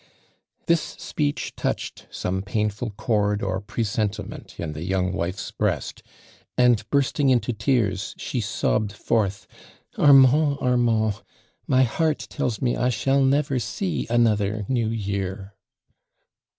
This speech touched some painful chord or presentiment in the young wife's breast and bursting into tears she sobbed forth: '* Armand, Armand, my heart tells me I shall never see another New Year!'"